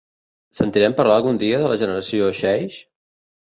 Sentirem parlar algun dia de la generació xeix?